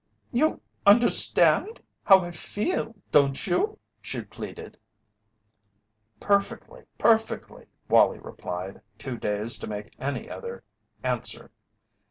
"You understand how I feel, don't you?" she pleaded. "Perfectly! Perfectly!" Wallie replied, too dazed to make any other answer.